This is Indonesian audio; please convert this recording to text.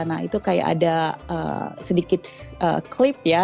nah itu kayak ada sedikit klip ya